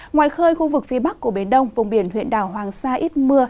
ngoài khơi khu vực phía bắc của biển đông vùng biển huyện đảo hoàng sa ít mưa